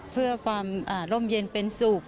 เพื่อความร่มเย็นเป็นสุข